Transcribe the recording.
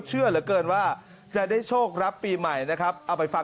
เชื่อเหลือเกินว่าจะได้โชครับปีใหม่นะครับเอาไปฟัง